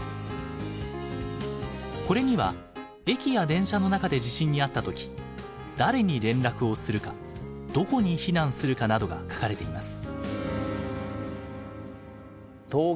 これには駅や電車の中で地震に遭った時誰に連絡をするかどこに避難するかなどが書かれています。